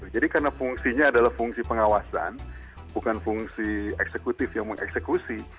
jadi karena fungsinya adalah fungsi pengawasan bukan fungsi eksekutif yang mengeksekusi